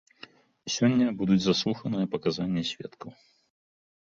Сёння будуць заслуханыя паказанні сведкаў.